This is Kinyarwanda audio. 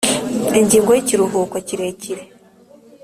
Ingingo Y Ikiruhuko Kirekire